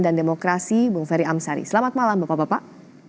dan demokrasi bung ferry amsari selamat malam bapak bapak